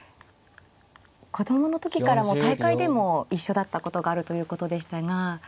子供の時から大会でも一緒だったことがあるということでしたが。